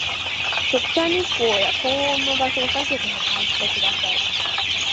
直射日光や高温の場所をさけて保管してください